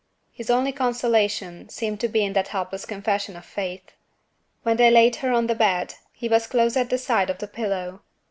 His only consolation seemed to be in that helpless confession of faith. When they laid her on the bed, he was close at the side of the pillow.